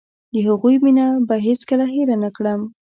د هغوی مينه به هېڅ کله هېره نکړم.